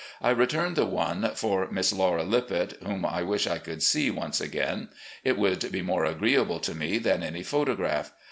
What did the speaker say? I returned the one for Miss Laura Lippett, whom I wish I could see once again. It would be more agreeable to me than any photograph.